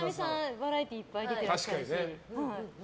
バラエティーいっぱい出てるから。